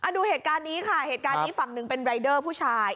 ดูเหตุการณ์นี้ค่ะเหตุการณ์นี้ฝั่งหนึ่งเป็นรายเดอร์ผู้ชาย